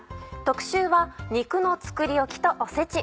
特集は「肉の作りおき」と「おせち」。